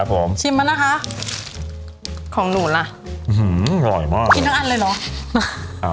อ่ะพี่ป้องชิมดีกว่า